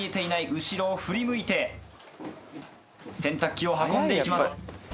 後ろを振り向いて洗濯機を運んで行きます。